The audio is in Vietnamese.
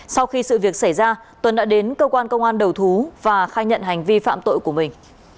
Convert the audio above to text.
sau khi sự việc xảy ra tuấn đã đến cơ quan công an đầu thú và khai nhận hành vi phạm tội của mình